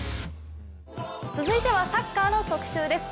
続いてはサッカーの特集です。